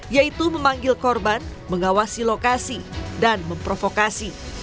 yaitu memanggil korban mengawasi lokasi dan memprovokasi